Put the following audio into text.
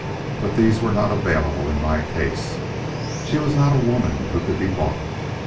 But these were not available in my case. She was not a woman who could be bought.